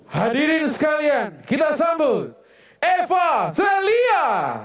hadirin sekalian kita sambut eva australia